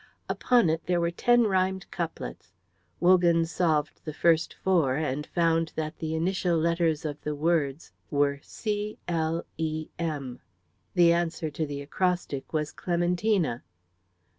Upon it there were ten rhymed couplets. Wogan solved the first four, and found that the initial letters of the words were C, L, E, M. The answer to the acrostic was "Clementina."